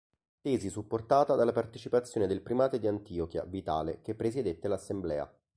Tesi supportata dalla partecipazione del primate di Antiochia, Vitale, che presiedette l'assemblea.